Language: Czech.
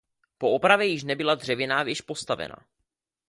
Po opravě již nebyla dřevěná věž postavena.